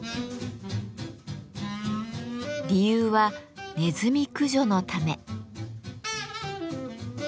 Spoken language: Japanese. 理由はネズミ駆除のため。